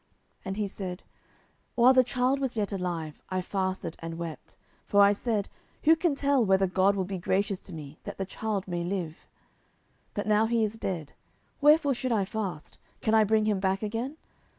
10:012:022 And he said, While the child was yet alive, I fasted and wept: for I said, Who can tell whether GOD will be gracious to me, that the child may live? 10:012:023 But now he is dead, wherefore should I fast? can I bring him back again?